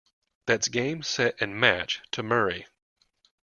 That's Game Set and Match to Murray